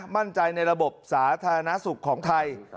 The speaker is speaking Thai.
มั่นใจในระบบสาธารณสุขของไทย